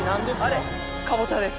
あれかぼちゃです。